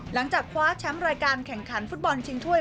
หลังจากคว้าแชมป์รายการแข่งขันฟุตบอลชิงถ้วย